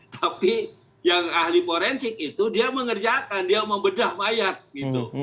tapi yang ahli forensik itu dia mengerjakan dia membedah mayat gitu